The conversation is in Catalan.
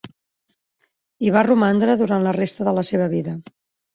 Hi va romandre durant la resta de la seva vida.